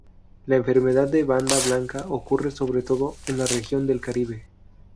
La enfermedad de banda blanca ocurre sobre todo en la región del Caribe.